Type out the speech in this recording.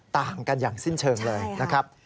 ต่างกันอย่างสิ้นเชิงเลยนะครับ